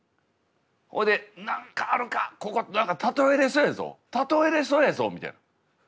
それで何かあるかここ何かたとえれそうやぞたとえれそうやぞみたいな。